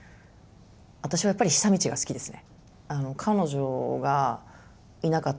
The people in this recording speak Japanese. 私はやっぱり久通が好きですね。